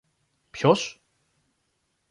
Ποιος;